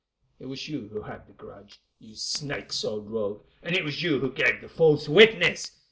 It was you who had the grudge, you snake souled rogue, and it was you who gave the false witness.